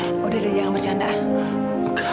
nenek tidak lagi mendinggal